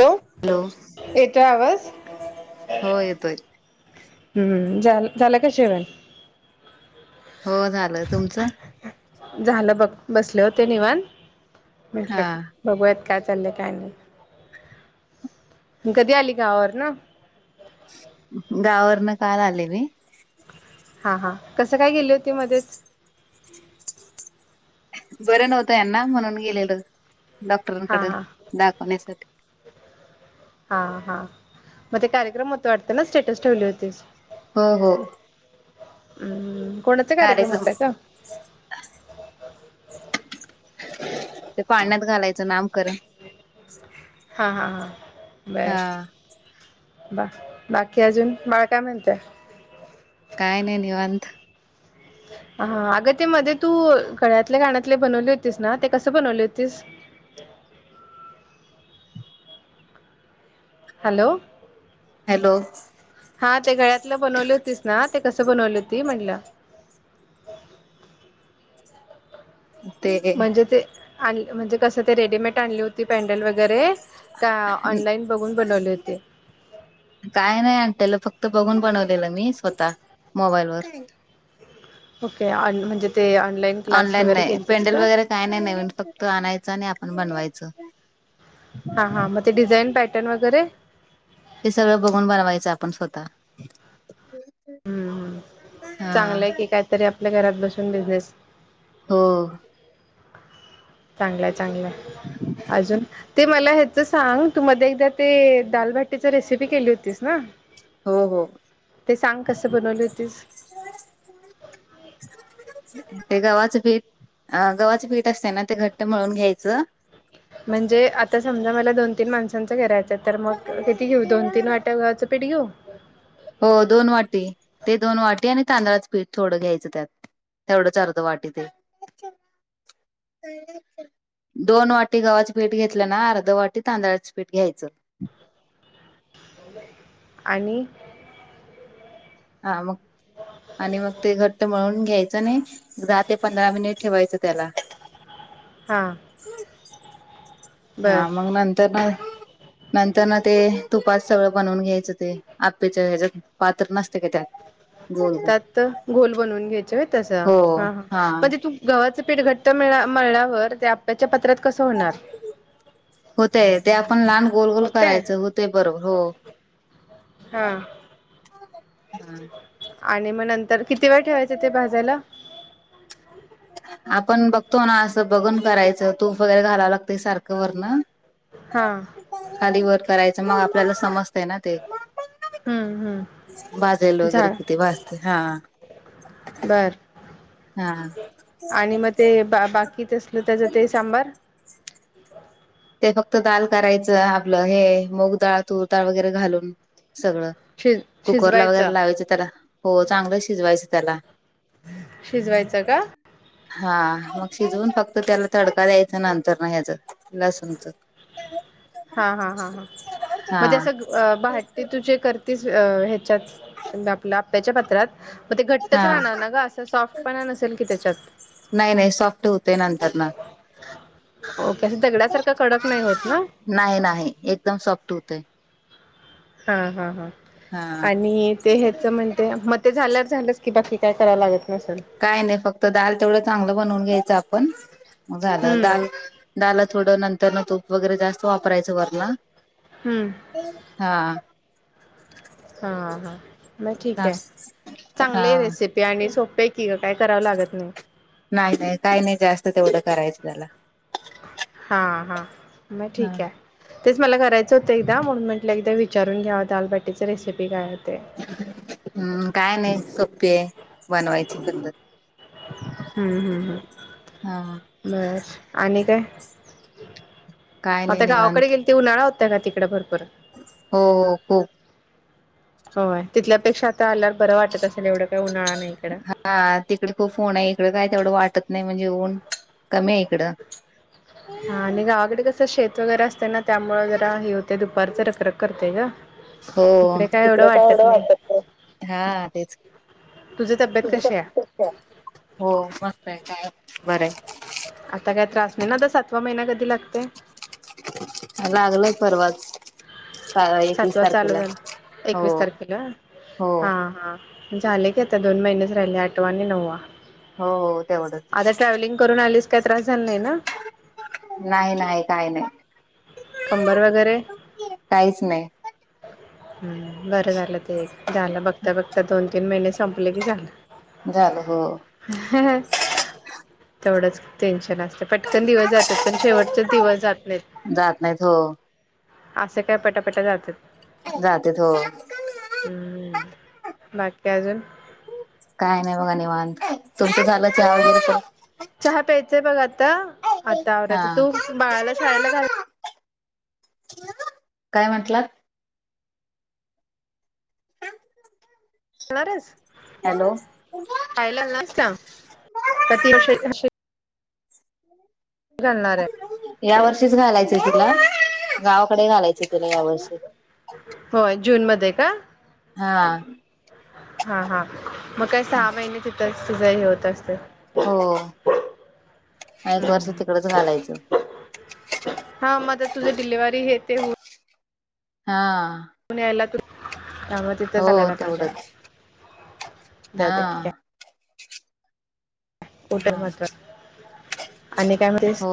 Hello येतोय आवाज हो येतोय हम्म झाल का जेवण? हो झालं तुमचं? झालं बघ बसले होते निवांत म्हटलं हा बघूयात काय चाललं काय नाही कधी आली गावावरन? गावावरन काल आले मी हा हा कसं काय गेली होती मध्येच बरं नव्हतं यांना म्हणून गेलेलो हा डॉक्टरांकड हा दाखवण्यासाठी हा हा मग ते कार्यक्रम होत वाटत ना स्टेटस ठेवली होतीस. हो हो. हम्म कोणाचा कार्यक्रम होता का? ते पाळण्यात घालायचं नामकरण हा हा हा बर हा बा बाकी अजून बाळ काय म्हणत? काय नाही निवांत हा अगं ते मध्ये तू गळ्यातल्या कानातले बनवले होतीस ना ते कसं बनवले होतीस? हॅलो हॅलो हा ते गळ्यातलं बनवले होतीस ना ते कसं बनवली होती म्हटलं? ते म्हणजे ते आण म्हणजे कसं ते रेडीमेड टली होती पॅनडल वगैरे का ऑनलाइन बघून बनवली होती? काय नाही आणलं फक्त बघून बनवलेलं मी स्वतः मोबाईल वर ओके म्हणजे ते ऑनलाईन क्लास ऑनलाईन वगैरे नाही केलतीस पेंडल का वगैरे काय नाही नवीन फक्त आणायचं आणि आपण बनवायचं. हा हां मग ते डिझाईन पॅटर्न वगैरे हे सगळं बघून बनवायचं आपण स्वतः हम्म हा चांगलंय की काहीतरी आपल्या घरात बसून बिझनेस हो. चांगलंय चांगलंय अजून ते मला तर सांग तू मध्ये एकदा ते दालभटीच रेसिपी केली होतीस ना हो हो ते सांग कस बनवली होतीस [inaudible] ते गव्हाच पीठ अ गव्हाच पीठ असतय ना ते घट्ट मळून घ्यायचं. म्हणजे आता समजा मला दोन तीन माणसांचं करायचंय. तर मग किती घेऊ दोन तीन वाट्या गव्हाच पीठ घेऊ हो दोन वाटी ते दोन वाटी आणि तांदळाच पीठ थोडं घ्यायचं त्यात तेवढंच अर्धी वाटी ते दोन वाटी गव्हांचं पीठ घेतल्यां नां, अर्ध वाटी तांदळां चं पीठ घ्यायचं. आणि‌‌ हां मंग, आणि मंग ते घट्ट म्हळूंन घ्यायचं नाहीं, दहा ते पंधरा मिनिटं ठेवायचं त्यांला. हां हां बरं मंग, नंतर नां. नंतर ते तुपांत सगळं बनवूंन घ्यायचं ते आपपेच्यां ह्यांच्यात. पात्रं नसते कां त्यांत. त्यांत, घोलं बनवूंन घ्यायचं वयं तसं, हो हां हां हा म्हणजे तूं गव्हाचं पीठ घट्ट मळल्यांवर, ते आप्याच्यां पात्रांत कसं होणारं? होतंय, ते आपणं लहांन गोलं गोलं होतंय करायचं, होतेय बरोबर, हो. हां. हा. आणि मगं नंतर, किती वेळं ठेवायचं ते भाजांयला. आपणं बघतो नां, असं बघुंन करायचं, तूंप वगैरें घालावं लागतंय सारखं वरनं, हां. खांली वरं करायचं, मगं आपल्यांला समजतंय नां ते. हम्मं हम्मं. बाजलेलं वगैरें, किती भाजतंय हां. बरं. हा आणि मगं ते बां बाकीतं असलं त्यांचं ते सांबार. ते फक्तं डाळं करायचं, आपलं हे मूंगडाळं तूरडाळं वगैरें घालूंन, सगळं. शिज कुकर लावल्यां शिजवायचं वरं लावायचं त्यांला. हो चांगलं शिजवायचं त्यांला,,, शिजवायचं का हां मंग, शिजवूंन फक्तं त्यांला तडकां द्यायचां नंतर नां, ह्यांचं लसूणं चां. हां हां हां हां, मजे तुं असं पहाटे तुझे हे करतीस, आपल्यां आपप्याच्यां पात्रांत, मंग ते घंट्ट हा चं राहणांर नां गं, असं सॉफ्टपणां नसेल की त्यांच्यात. नाहीं नाहीं, सॉफ्ट हुंते नंतर. ना ओके, असं दगड्यांसारखं कडंक नाहीं होते नां. नाहीं नाहीं, एकदंम सॉफ्ट हुंतेय. हां हां हां, हा आणि ते ह्यांचं म्हणते मं ते झाल्यांवर झालंस की, बाकी कायं करावं लागतं नसलं. कायं नाहीं, फक्तं दालं तेवढं चांगलं बनवूंन घ्यायचं आपणं, झालं, हम्म दालं दाळलां थोडं नंतर नं तूंप वगैरें जास्तं वापरायचं नंतर नं. हम्मं. हां. हां हां. मंग ठीक आहे, सांग हा चांगली आहे रेसिपी आणि सोपीय की गं कायं करावं लागतं नाहीं. नाहीं नाहीं, कांहीं नाहीं जास्तं तेवढं करायचं त्यांला. हां हां, मगं हा ठीक आहे. तेचं मलां करायचं होतं एकदां, म्हणूंन म्हंटलं एकदां विचारूंन घ्यांव दालबाटीची रेसिपी, कायं होतेय. हम्मं, कायं नाहीं, सोपे आहे बनवांयची पद्धतं. हम्मं हम्मं हम्मं,,, हा बरं, आणि कायं? काय नाही आंता गावांकडे निवांत गेलती, उन्हांळा होतां नां तिकडे भरंपूर. हो खुंप. होय, तिथल्यापेक्षा आता आल्यावर बरं वाटत असेल, एवढं काय उन्हाळा नाही इकडं. आ तिकडे खूप ऊन आहे, इकडं काय तेवढं वाटत नाही. म्हणजे ऊन कमी आहे इकडं. हा आणि गावाकडे कसं शेत वगैरे असतंय ना, त्यामुळे जरा हे होतेय दुपारचं रखरख करतेय गं. हो इकडे काय एवढं वाटत नाही, हा तेच. तुझी तब्येत कशी या? [unintelligible] हो मस्त आहे, काय बरंये. आता काय त्रास नाही ना? आता सातवा महिना कधी लागतंय? लागलं परवाच एकवीस सातवा चालू तारखेला झालं, हो एकवीस तारखेला. हो हा हा झाले की आता दोन महिनेच राहिले, आठवा आणि नववा. हो, हो. आता तेवढंच ट्रॅव्हलिंग करून आलीस, काय त्रास झाला नही ना? नाही, नाही काय नाही. कंबर वगैरे, हं काहीच नाही बरं झालं. झालं ते, झालं बघता बघता दोन तीन महिने संपले की झालं. झालं हो. तेवढंच टेन्शन असतं, पटकन दिवस जात्यात. पण शेवटचंच दिवस जात नाहीत. जात नाहीत हो. असे काय पटापटा जात्यात. जात्यात हो. हम्म बाकी काय अजून? काय नाही बघा निवांत, तुमचं झालं? चहा वगैरे पण चहा प्यायचंय बघ आता, आता हा आवरायचं, तो बाळाला शाळेला घाल काय म्हटलांत? कलरस? हॅलो. पाहिला नसत्याव, का तीनशे तीनशे घालणांर ये. या वर्षीच घालायचंय तिला, गावाकडे घालायचं तिला या वर्षी. होय जून मध्ये का? हा. हा, हा, मग काय सहा महिने तिथंच, तुझं हे होत असतंय. हो, एक वर्ष तिकडच घालायचं. हं मं ते तुझं डिलिव्हरी हेे ते हो हा. न्यायला तं त्यामुळे तिथं हो घालायला पाहिजे, तेवढंच हा जाऊ दे ठीक आहे. कुटार हा महत्त्वाचं. आणि काय म्हणलीस? हो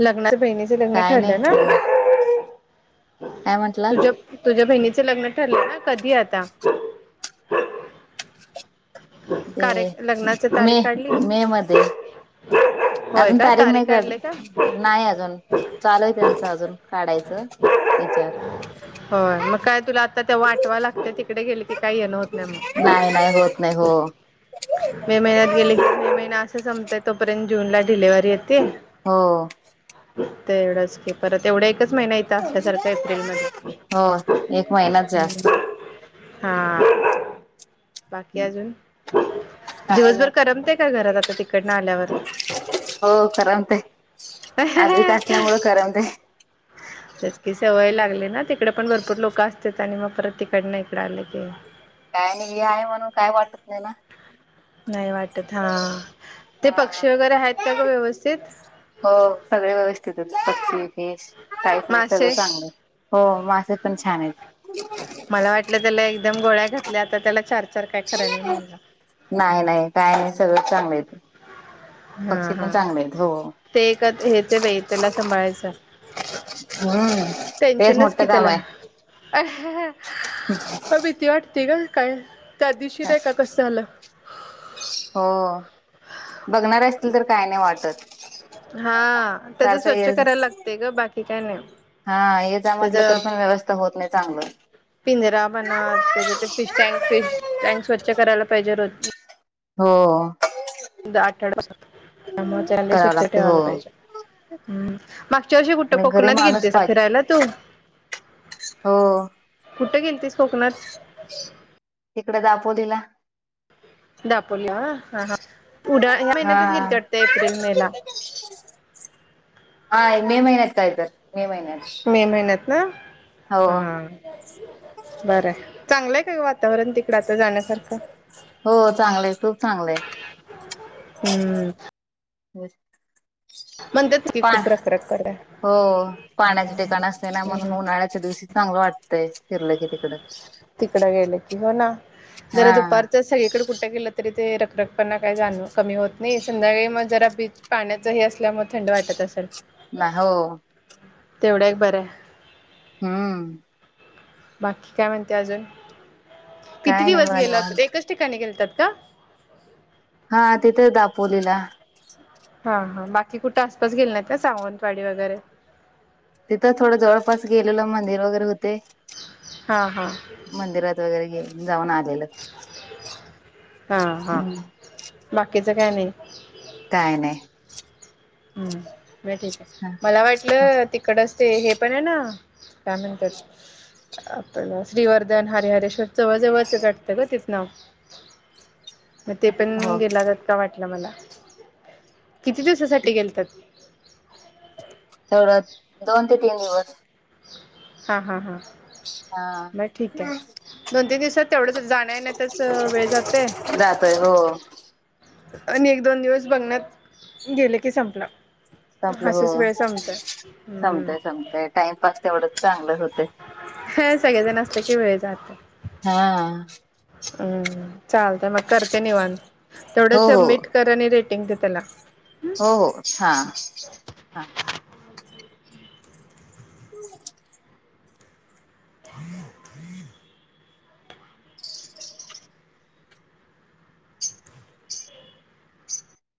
लग्नात बहिणीचं लग्न काय नाही ठरलं ना. [inaudible] काय म्हंटलात तुझ्या तुझ्या बहिणीच लग्न ठरलं ना, कधी आता? ते कार्य लग्नाच मे, तारीख काढली मे मध्ये. होय अजून का तारीख नाही काढली? काढले का नाही अजून, चालूय त्यांचं अजून काढायचं. इचार होय मं काय तुला आता ते आठवाय लागतंय, तिकडे गेली की काय येणं होतं. नाही नाही, होत नाही, हो. मे महिन्यात गेलं की, मे महिना असं संपताय तोपर्यंत, जूनला डिलिव्हरी येते. हो.. तेवढंच की, परत एवढा एकच महिना असल्यासारखं एप्रिलमध्ये, हो एक महिनाच हं जास्त हा. ते अजून काय दिवसभर नाही करमतंय का घरात आता, तिकडनं आल्यावर? हो, करमतंय. आधी इथं तेच असल्यामुळे करमतंय. [inaudible] तेच की, सवय लागली ना. तिकडे पण भरपूर लोकं असते आणि मग परत तिकडनं इकडे आले की... काय नाही, ही आहे म्हणून काय वाटत नाही ना. नाही वाटत हा, ते हा पक्षी वगैरे आहेत का? सगळं व्यवस्थित? हो सगळे व्यवस्थित आहेत. हो पक्षी, फिश. काहीच नाही, सगळं मासे चांगलं. हो, मासे पण छान आहेत. मला वाटलं त्याला एकदम गोळ्या घातल्या, आता त्याला चार-चार काय कराय नाही म्हणलं. नाही नाही, काय नाही, सगळंच चांगलंय इथं. हा हा, हो ते एक हेच बाई, त्याला सांभाळायचं. हम्म तेच टेन्शनच मोठं की काम त्याला, आहे अहं... [inaudible] भीती वाटते का? काय त्या दिवशी नाही का कसं झालं? हो, बघणार असतील तर काय नाही वाटत. हा, त्याचं सारखं स्वच्छ ये करायला लागतं ग, बाकी काय नाही. हा, याचा म्हटलं तर त्याच पण व्यवस्था होत नाही चांगली. पिंजरा म्हणा, त्याचं ते फिश टँक रोज स्वच्छ करायला पाहिजे.. हो. दहा आठवड्यांपासून त्यामुळे त्याला करावं स्वच्छ लागते हो ठेवायला पाहिजे. हं, मागच्या वर्षी कोकणात आणि घरी कुठं गेली माणूस होतीस पाहिजे फिरायला तू? हो. कुठे? गेलतीस कोकणात? तिकडं दापोलीला. दापोली, होय. हा हा, उद्या नाही, ह्याच हा महिन्यातच गेली होती वाटतं, एप्रिल-मे ला. हा, मे महिन्यात काय तरी, मे महिन्यात. मे महिन्यात ना हो हा. बरं, चांगलं आहे का वातावरण तिकडं आता जाण्यासारखं? चांगलं आहे, खूप चांगलं आहे. हं. होत म्हणतात की पा, खूप रखरख करताय. पाण्याचे ठिकाण असते ना, म्हणून हम्म उन्हाळ्यात... आजच्या दिवशी चांगलं वाटतंय फिरलं की तिकडं. तिकडं गेलं की हो ना, जरा हा दुपारचं सगळीकडे कुठं गेलं... तरी तो रखरखपणा काही कमी होत नाही, संध्याकाळी मग जरा बीच, पाण्याचंही असल्यामुळे थंड वाटतं. तसं... र नाही हो. तेवढं एक बरंय. हा. बाकी काय म्हणते, अजून किती काय नाही दिवस? बघा गेला होता निवांत. एकच ठिकाणी गेलात का? हां तिथेच दापोलीला. हा हा बाकी कुठे आसपास गेले नाहीत ना सावंतवाडी वगैरे. तिथं थोडं जवळपास गेलेलो मंदिर वगैरे होते. हा हा. मंदिरात वगैरे घे जाऊन आलेलं. हा हा हम्म. बाकीचं काय नाही? काय नाय. हम्म म ठीक हाय हा मला वाटलं ते इकडचं ते हे पण आहे ना काय म्हणत्यात. आपलं श्रीवर्धन हरिहरेश्वर जवळजवळचं वाटतं गं तिथनं. मग ते पण हो गेला जात का वाटलं मला, किती दिवसासाठी गेलतात? तेवढं दोन ते तीन दिवस. हा हा हा हा म ठीक हाय दोन तीन दिवसात तेवढंच जाण्या-येण्यातचं वेळ जातयं. [unintelligible] हो. आणि एक दोन बघण्यात गेले की संपलं. संपलं हो हम्म संमतय संमतय टाइमपास तेवढंच चांगलंच होतयं. ह सगळेजण असले की वेळ जातोय. हां. हम्म चालतयं मग करते निवांत तेवढं हो हो सबमिट कर आणि रेटिंग दे त्याला. हो अच्छा. [unintelligible] [unintelligible]